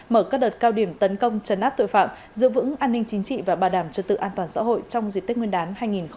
mở các đợt cao điểm tấn công trấn áp tội phạm giữ vững an ninh chính trị và bà đàm cho tự an toàn xã hội trong dịp tết nguyên đán hai nghìn hai mươi ba